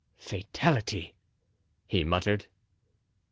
"Fatality!" he muttered.